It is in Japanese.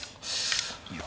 いや。